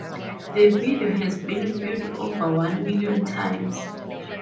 The video has been viewed over one million times.